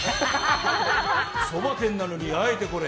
そば店なのに、あえてこれ！